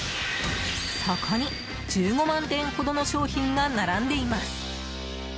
そこに、１５万点ほどの商品が並んでいます。